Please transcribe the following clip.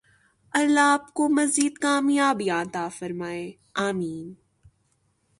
الله آپکو مزید کامیابیاں عطا فرمائے ۔آمین